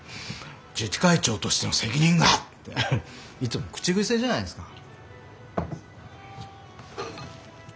「自治会長としての責任が！」っていつも口癖じゃないですか。